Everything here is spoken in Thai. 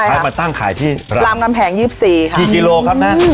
สุดท้ายมาตั้งขายที่รำกำแผงยืบสี่ครับสี่กิโลครับนั้นอืม